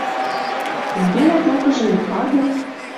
Тенгелӓ токыжы ик вады